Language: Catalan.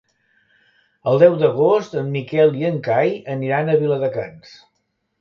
El deu d'agost en Miquel i en Cai aniran a Viladecans.